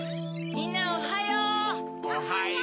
みんなおはよう。